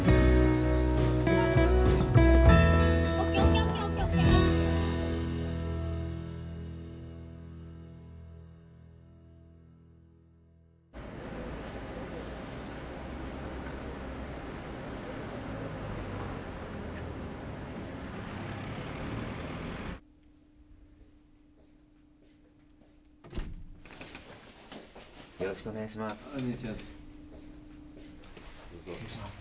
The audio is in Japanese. よろしくお願いします。